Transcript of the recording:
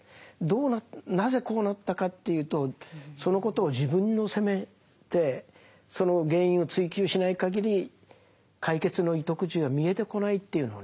なぜこうなったかというとそのことを自分を責めてその原因を追及しないかぎり解決の糸口は見えてこないというのはね